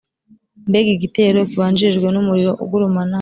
Mbega igitero! Kibanjirijwe n’umuriro ugurumana,